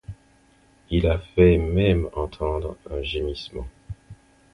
Il a fait même entendre un gémissement.